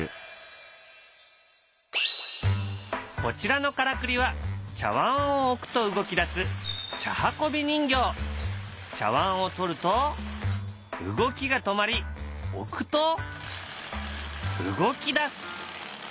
こちらのからくりは茶わんを置くと動き出す茶わんを取ると動きが止まり置くと動き出す。